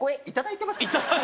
いただいてます？